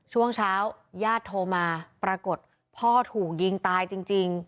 ช่วงเช้าญาติโทรมาปรากฏพ่อถูกยิงตายจริง